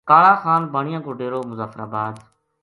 کالا خان بانیا کو ڈیرو مظفرآباد